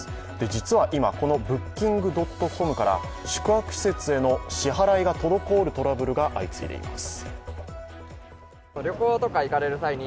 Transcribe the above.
実は今、このＢｏｏｋｉｎｇ．ｃｏｍから宿泊施設への支払いが滞るトラブルが相次いでいます。